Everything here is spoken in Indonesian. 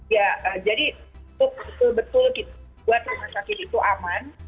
ya jadi untuk betul betul buat rumah sakit itu aman